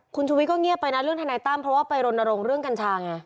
คุณชุวิตก็เงียบไปนะเรื่องทนายตั้มเพราะว่าไปรณรงค์เรื่องกัญชาไง